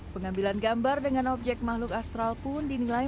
pengambilan gambar dengan objek makhluk astral pun dinilai